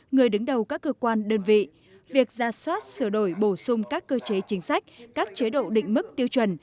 người đứng đầu các cơ quan đơn vị việc ra soát sửa đổi bổ sung các cơ chế chính sách các chế độ định mức tiêu chuẩn